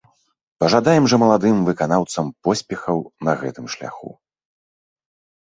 Пажадаем жа маладым выканаўцам поспехаў на гэтым шляху.